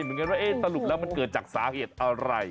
เหมือนกันว่าสรุปแล้วมันเกิดจากสาเหตุอะไร